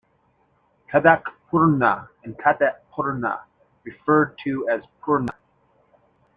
Khadakpurna, Katepurna, referred to as Purna.